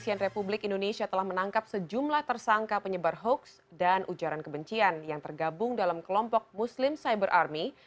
itu bisa merusak bukan hanya di pribadi